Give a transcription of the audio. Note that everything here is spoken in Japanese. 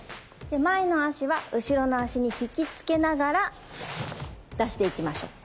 で前の足は後ろの足に引きつけながら出していきましょう。